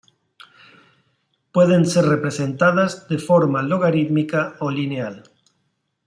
Pueden ser representadas de forma logarítmica o lineal.